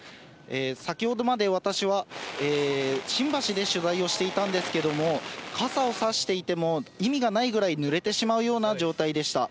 先ほどまで私は、新橋で取材をしていたんですけれども、傘をさしていても意味がないぐらい、ぬれてしまうような状態でした。